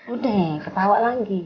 udah ketawa lagi